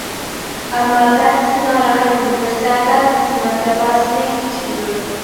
ئەمما بەزىسىنىڭ راھىتىنى كۆرسە بەزىسىنىڭ جاپاسىنى چېكىدۇ.